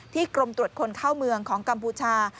กรมตรวจคนเข้าเมืองของกัมพูชา